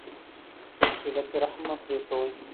صلة رحم مه پرې کوئ.